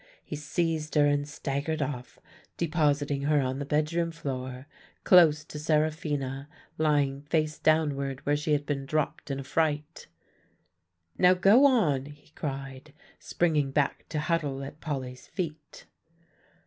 He seized her and staggered off, depositing her on the bedroom floor, close to Seraphina lying face downward where she had been dropped in fright. "Now go on," he cried, springing back to huddle at Polly's feet.